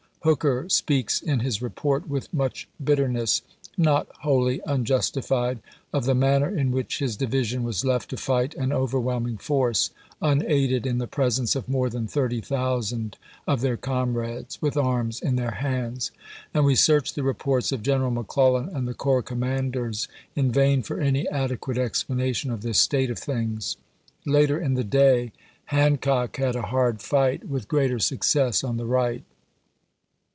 Hooker speaks in his report with much bitterness, not wholly unjustified, of the manner in which his division was left to fight an overwhelming force, "unaided in the presence of more than 30,000 of their comrades with arms in voi.'xi., '^ Part I., their hands," and we search the reports of General ?• *68. McClellan and the corps commanders in vain for any adequate explanation of this state of things. Later in the day, Hancock had a hard fight, with greater success, on the right.